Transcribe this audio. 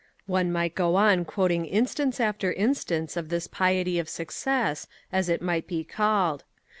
One might go on quoting instance after instance of this piety of success, as it might be called.